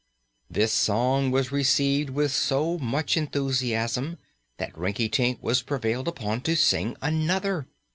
This song was received with so much enthusiasm that Rinkitink was prevailed upon to sing another.